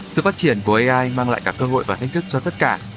sự phát triển của ai mang lại các cơ hội và thích thức cho tất cả